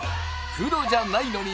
プロじゃないのに！